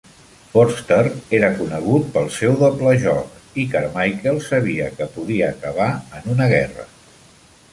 Forster era conegut pel seu doble joc i Carmichael sabia que podia acabar en una guerra.